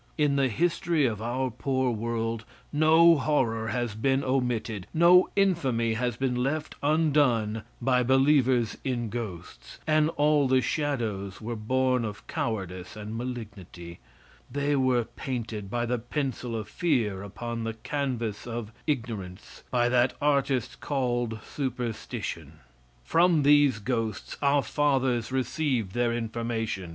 In the history of our poor world no horror has been omitted, no infamy has been left undone by believers in ghosts, and all the shadows were born of cowardice and malignity; they were painted by the pencil of fear upon the canvas of ignorance by that artist called Superstition. From these ghosts our fathers received their information.